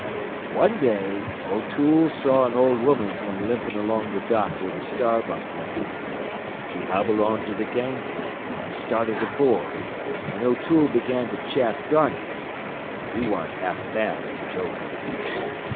"Wan day O'Toole saw an old woman come limpin' along th' dock where th' Starbuck lay. She hobbled on to th' gang plank an' started aboard, an' O'Toole began to chaff Garnett. He waren't half bad as a joker.